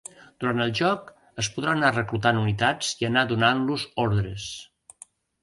Durant el joc, es podrà anar reclutant unitats i anar donant-los ordres.